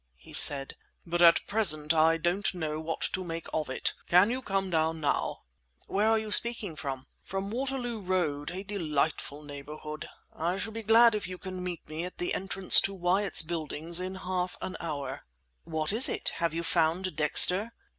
he said; "but at present I don't know what to make of it. Can you come down now?" "Where are you speaking from?" "From the Waterloo Road—a delightful neighbourhood. I shall be glad if you can meet me at the entrance to Wyatt's Buildings in half an hour." "What is it? Have you found Dexter?"